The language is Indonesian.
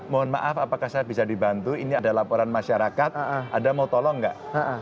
mohon maaf apakah saya bisa dibantu ini ada laporan masyarakat anda mau tolong nggak